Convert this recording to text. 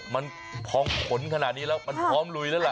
มันพองผลขนาดนี้แล้วมันพร้อมลุยแล้วล่ะ